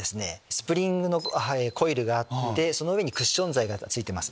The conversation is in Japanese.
スプリングのコイルがあって上にクッション材がついてます。